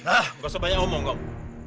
hah nggak sebanyak omong omong